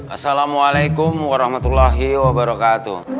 assalamualaikum warahmatullahi wabarakatuh